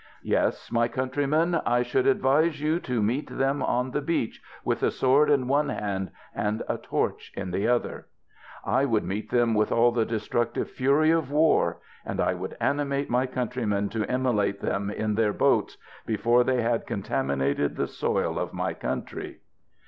Yes, my countrymen, I should advise you to meet them on the beach, with a sword in one hand, and a torch in the other ; I would meet them with all the destructive fury of war ; and I would animate my countrymen to immolate them in their boats, before they had contaminated the soil of my country.